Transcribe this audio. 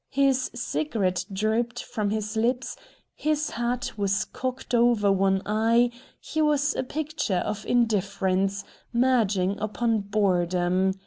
His cigarette drooped from his lips, his hat was cocked over one eye; he was a picture of indifference, merging upon boredom.